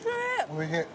おいしい。